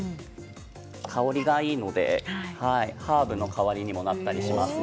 香りがいいのでハーブの代わりになったりしますね